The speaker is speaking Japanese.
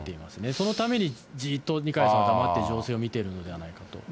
そのためにじっと二階さんは黙って情勢を見てるのではないかと。